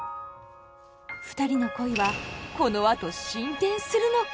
ふたりの恋はこのあと進展するのか。